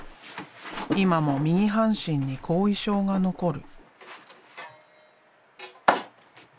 今も右半身に後遺症が残る。